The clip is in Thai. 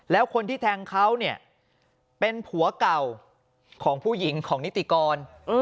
แล้วคนที่แทงเขาเนี่ยเป็นผัวเก่าของผู้หญิงของนิติกร